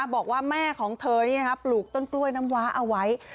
บอกว่าแม่ของเธอนี่ปลูกต้นกล้วยน้ำว้าเอาไว้